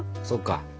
そうか。